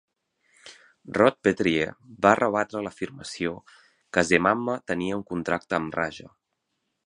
Rod Petrie va rebatre l'afirmació que Zemmama tenia un contracte amb Raja.